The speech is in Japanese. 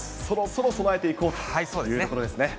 そろそろ備えていこうということですね。